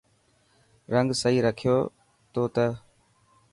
رنگ سهي رکيو تو نه.